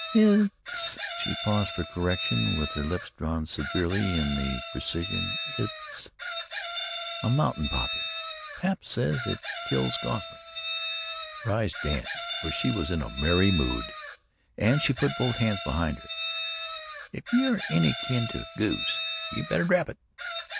"Hit's" she paused for correction with her lips drawn severely in for precision "IT'S a mountain poppy. Pap says it kills goslings" her eyes danced, for she was in a merry mood that day, and she put both hands behind her "if you air any kin to a goose, you better drap it."